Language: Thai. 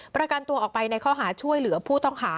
ประกันตัวออกไปในข้อหาช่วยเหลือผู้ต้องหา